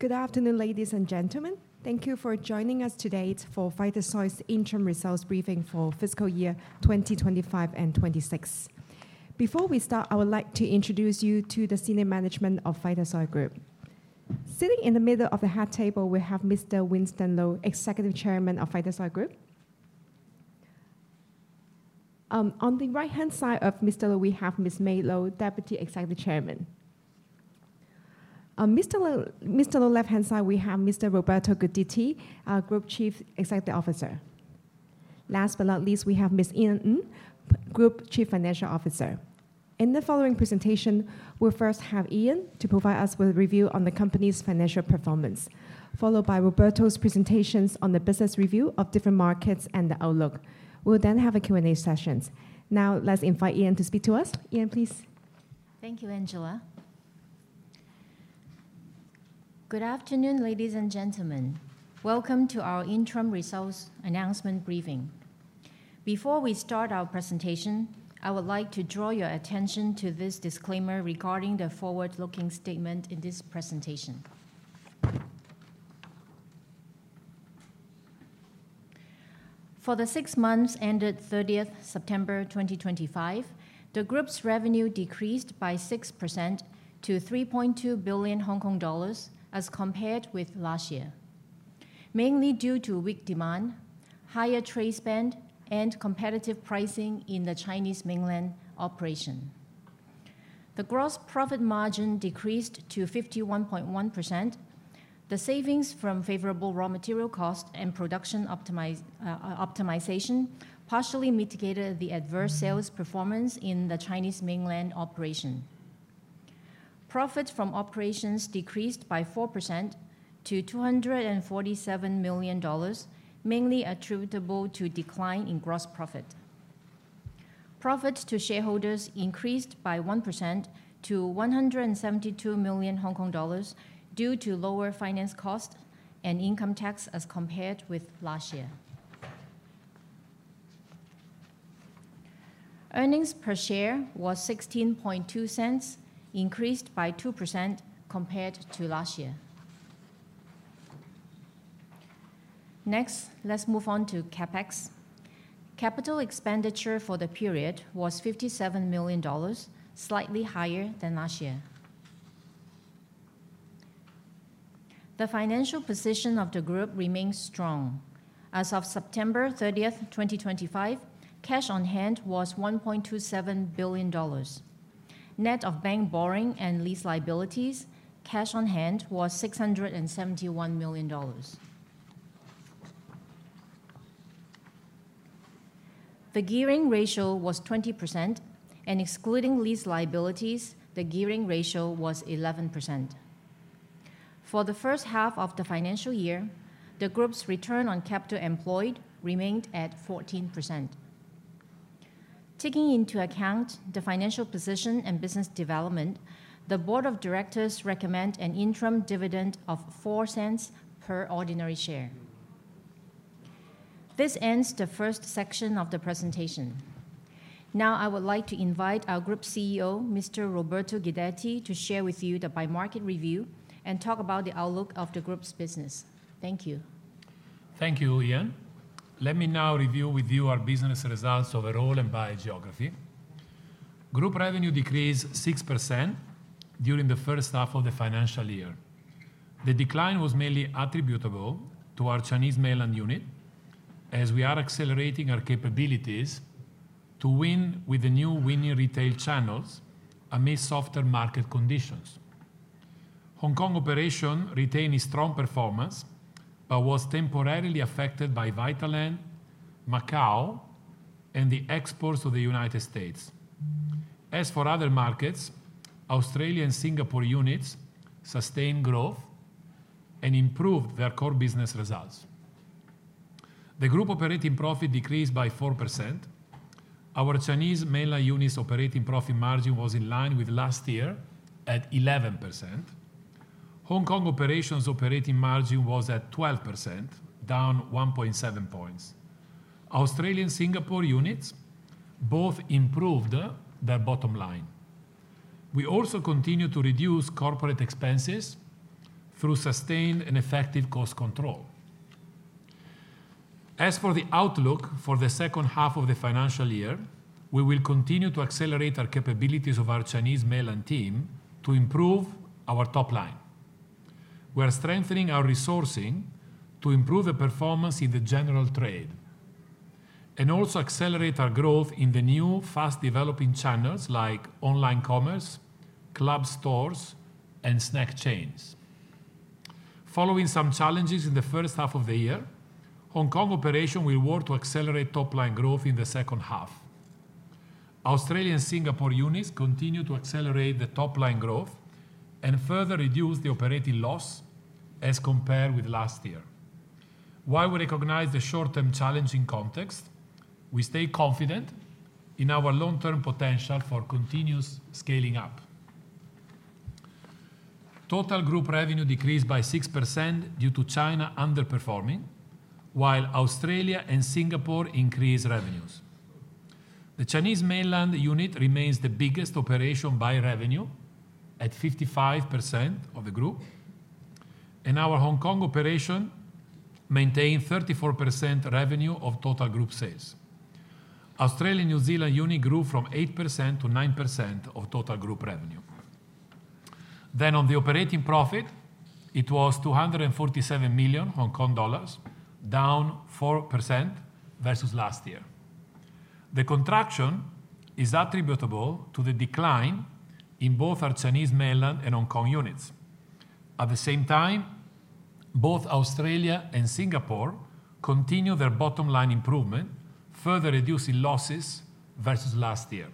Good afternoon, ladies and gentlemen. Thank you for joining us today for Vitasoy's interim results briefing for fiscal year 2025 and 2026. Before we start, I would like to introduce you to the senior management of Vitasoy Group. Sitting in the middle of the hard table, we have Mr. Winston Lo, Executive Chairman of Vitasoy Group. On the right-hand side of Mr. Lo, we have Ms. May Lo, Deputy Executive Chairman. On Mr. Lo's left-hand side, we have Mr. Roberto Guidetti, Group Chief Executive Officer. Last but not least, we have Ms. Ian Ng, Group Chief Financial Officer. In the following presentation, we'll first have Ian to provide us with a review on the company's financial performance, followed by Roberto's presentations on the business review of different markets and the outlook. We'll then have a Q&A session. Now, let's invite Ian to speak to us. Ian, please. Thank you, Angela. Good afternoon, ladies and gentlemen. Welcome to our interim results announcement briefing. Before we start our presentation, I would like to draw your attention to this disclaimer regarding the forward-looking statement in this presentation. For the six months ended 30th September 2025, the group's revenue decreased by 6% to 3.2 billion Hong Kong dollars as compared with last year, mainly due to weak demand, higher trade spend, and competitive pricing in the Chinese mainland operation. The gross profit margin decreased to 51.1%. The savings from favorable raw material costs and production optimization partially mitigated the adverse sales performance in the Chinese mainland operation. Profits from operations decreased by 4% to 247 million dollars, mainly attributable to a decline in gross profit. Profits to shareholders increased by 1% to 172 million Hong Kong dollars due to lower finance costs and income tax as compared with last year. Earnings per share was 16.2, increased by 2% compared to last year. Next, let's move on to CapEx. Capital expenditure for the period was 57 million dollars, slightly higher than last year. The financial position of the group remains strong. As of September 30th, 2025, cash on hand was 1.27 billion dollars. Net of bank borrowing and lease liabilities, cash on hand was 671 million dollars. The gearing ratio was 20%, and excluding lease liabilities, the gearing ratio was 11%. For the first half of the financial year, the group's return on capital employed remained at 14%. Taking into account the financial position and business development, the Board of Directors recommends an interim dividend of 0.04 per ordinary share. This ends the first section of the presentation. Now, I would like to invite our Group CEO, Mr. Roberto Guidetti, to share with you the by-market review and talk about the outlook of the group's business. Thank you. Thank you, Ian. Let me now review with you our business results overall and by geography. Group revenue decreased 6% during the first half of the financial year. The decline was mainly attributable to our Chinese mainland unit, as we are accelerating our capabilities to win with the new winning retail channels amid softer market conditions. Hong Kong operations retained strong performance but were temporarily affected by Vitaland, Macau, and the exports of the United States. As for other markets, Australia and Singapore units sustained growth and improved their core business results. The group operating profit decreased by 4%. Our Chinese mainland unit's operating profit margin was in line with last year at 11%. Hong Kong operations' operating margin was at 12%, down 1.7 percentage points. Australia-Singapore units both improved their bottom line. We also continue to reduce corporate expenses through sustained and effective cost control. As for the outlook for the second half of the financial year, we will continue to accelerate our capabilities of our Chinese mainland team to improve our top line. We are strengthening our resourcing to improve the performance in the general trade and also accelerate our growth in the new fast-developing channels like online commerce, club stores, and snack chains. Following some challenges in the first half of the year, Hong Kong operations will work to accelerate top-line growth in the second half. Australia-Singapore units continue to accelerate the top-line growth and further reduce the operating loss as compared with last year. While we recognize the short-term challenge in context, we stay confident in our long-term potential for continuous scaling up. Total group revenue decreased by 6% due to China underperforming, while Australia and Singapore increased revenues. The Chinese mainland unit remains the biggest operation by revenue at 55% of the group, and our Hong Kong operations maintain 34% revenue of total group sales. Australia-New Zealand unit grew from 8% to 9% of total group revenue. On the operating profit, it was 247 million Hong Kong dollars, down 4% versus last year. The contraction is attributable to the decline in both our Chinese mainland and Hong Kong units. At the same time, both Australia and Singapore continue their bottom-line improvement, further reducing losses versus last year.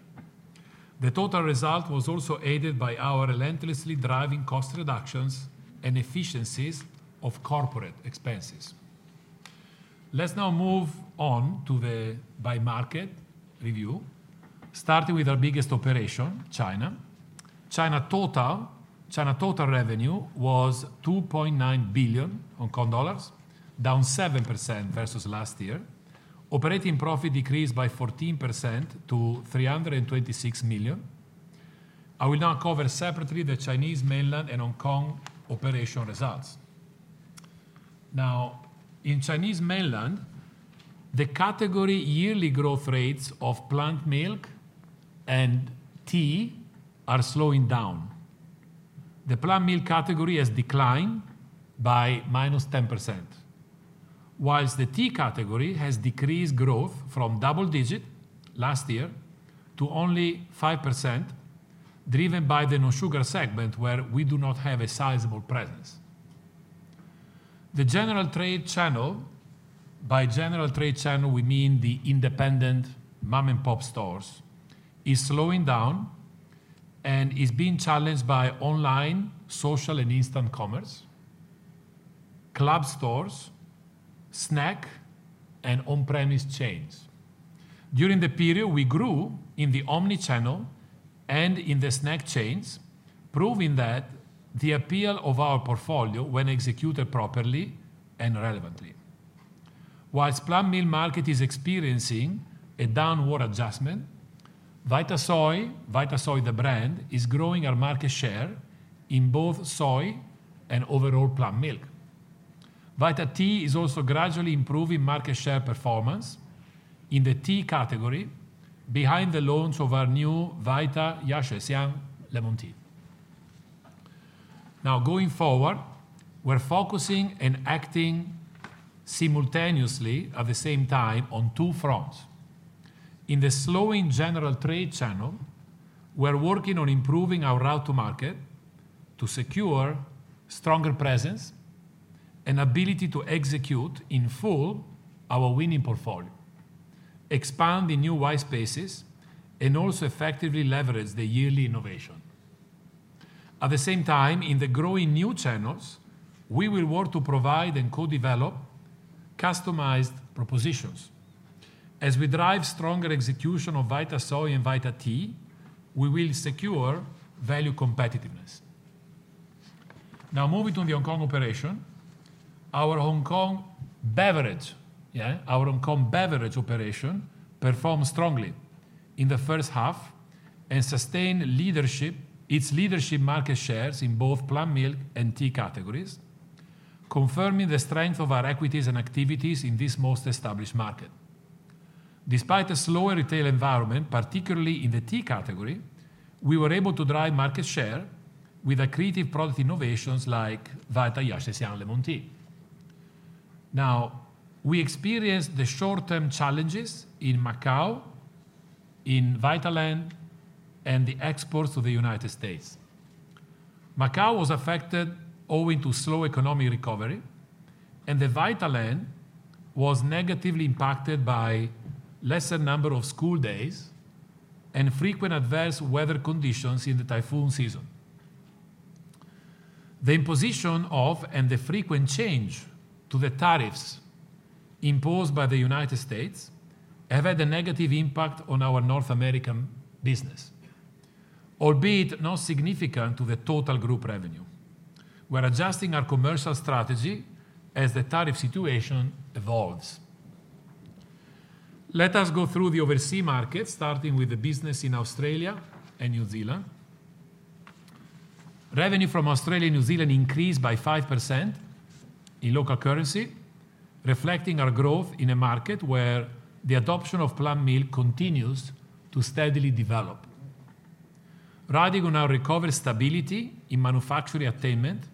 The total result was also aided by our relentlessly driving cost reductions and efficiencies of corporate expenses. Let's now move on to the by-market review, starting with our biggest operation, China. China total revenue was 2.9 billion Hong Kong dollars, down 7% versus last year. Operating profit decreased by 14% to 326 million. I will now cover separately the Chinese mainland and Hong Kong operation results. Now, in Chinese mainland, the category yearly growth rates of plant milk and tea are slowing down. The plant milk category has declined by -10%, whilst the tea category has decreased growth from double-digit last year to only 5%, driven by the no-sugar segment, where we do not have a sizable presence. The general trade channel, by general trade channel we mean the independent Mom-and-Pop stores, is slowing down and is being challenged by online social and instant commerce, club stores, snack, and on-premises chains. During the period, we grew in the omnichannel and in the snack chains, proving the appeal of our portfolio when executed properly and relevantly. Whilst the plant milk market is experiencing a downward adjustment, Vitasoy, Vitasoy the brand, is growing our market share in both soy and overall plant milk. Vita Tea is also gradually improving market share performance in the tea category, behind the launch of our new Vita Ya Shi Xiang Lemon Tea. Now, going forward, we're focusing and acting simultaneously at the same time on two fronts. In the slowing general trade channel, we're working on improving our route to market to secure a stronger presence and ability to execute in full our winning portfolio, expand the new white spaces, and also effectively leverage the yearly innovation. At the same time, in the growing new channels, we will work to provide and co-develop customized propositions. As we drive stronger execution of Vitasoy and Vita Tea, we will secure value competitiveness. Now, moving to the Hong Kong operation, our Hong Kong beverage, our Hong Kong beverage operation performed strongly in the first half and sustained its leadership market shares in both plant milk and tea categories, confirming the strength of our equities and activities in this most established market. Despite a slower retail environment, particularly in the tea category, we were able to drive market share with creative product innovations like Vita Ya Shi Lemon Tea. Now, we experienced the short-term challenges in Macau, in Vitaland, and the exports to the United States. Macau was affected owing to slow economic recovery, and Vitaland was negatively impacted by lesser number of school days and frequent adverse weather conditions in the typhoon season. The imposition of and the frequent change to the tariffs imposed by the United States have had a negative impact on our North American business, albeit not significant to the total group revenue. We're adjusting our commercial strategy as the tariff situation evolves. Let us go through the overseas markets, starting with the business in Australia and New Zealand. Revenue from Australia and New Zealand increased by 5% in local currency, reflecting our growth in a market where the adoption of plant milk continues to steadily develop. Riding on our recovered stability in manufacturing attainment,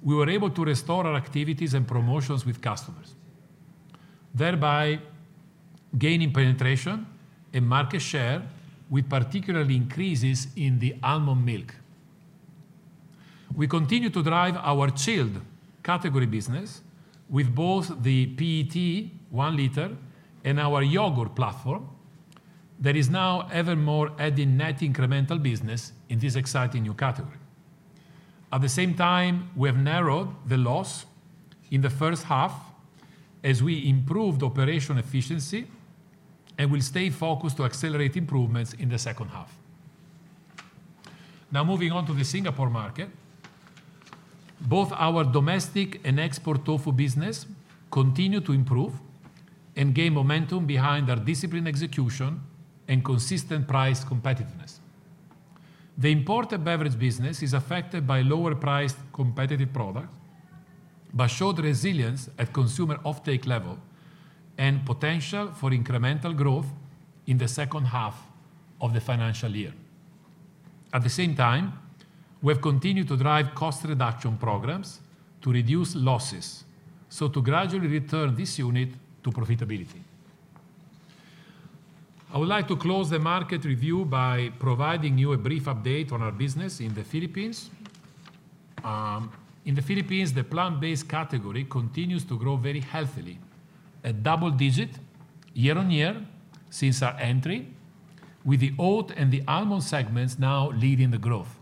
we were able to restore our activities and promotions with customers, thereby gaining penetration and market share with particular increases in the almond milk. We continue to drive our chilled category business with both the PET 1L and our yogurt platform that is now ever more adding net incremental business in this exciting new category. At the same time, we have narrowed the loss in the first half as we improved operational efficiency and will stay focused to accelerate improvements in the second half. Now, moving on to the Singapore market, both our domestic and export tofu business continue to improve and gain momentum behind our disciplined execution and consistent price competitiveness. The imported beverage business is affected by lower-priced competitive products but showed resilience at consumer offtake level and potential for incremental growth in the second half of the financial year. At the same time, we have continued to drive cost reduction programs to reduce losses so to gradually return this unit to profitability. I would like to close the market review by providing you a brief update on our business in the Philippines. In the Philippines, the plant-based category continues to grow very healthily, a double-digit year-on-year since our entry, with the oat and the almond segments now leading the growth.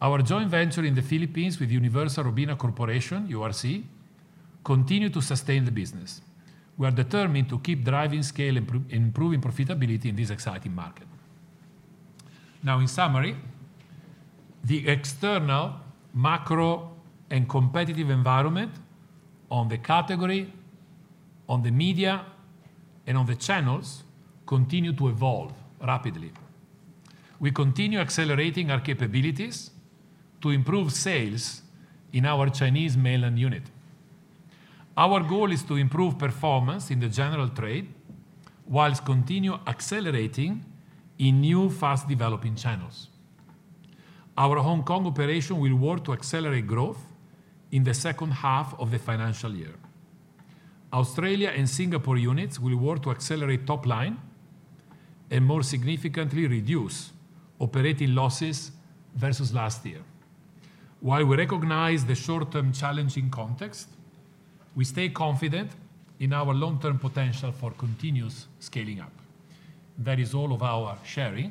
Our joint venture in the Philippines with Universal Robina Corporation, URC, continues to sustain the business. We are determined to keep driving scale and improving profitability in this exciting market. Now, in summary, the external macro and competitive environment on the category, on the media, and on the channels continue to evolve rapidly. We continue accelerating our capabilities to improve sales in our Chinese mainland unit. Our goal is to improve performance in the general trade whilst continuing to accelerate in new fast-developing channels. Our Hong Kong operation will work to accelerate growth in the second half of the financial year. Australia and Singapore units will work to accelerate top line and more significantly reduce operating losses versus last year. While we recognize the short-term challenge in context, we stay confident in our long-term potential for continuous scaling up. That is all of our sharing.